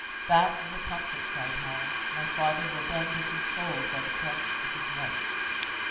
"That is a comfort," cried Helen; "my father will then be consoled by the presence of his wife."